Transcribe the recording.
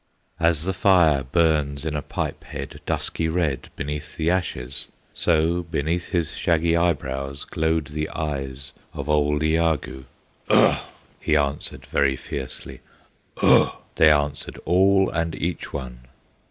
As the fire burns in a pipe head Dusky red beneath the ashes, So beneath his shaggy eyebrows Glowed the eyes of old Iagoo. "Ugh!" he answered very fiercely; "Ugh!" they answered all and each one.